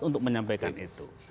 untuk menyampaikan itu